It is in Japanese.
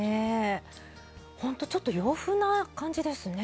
ほんとちょっと洋風な感じですね。